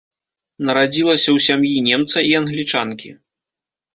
Нарадзілася ў сям'і немца і англічанкі.